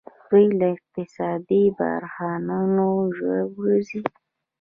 دوی له اقتصادي بحرانونو ژر وځي.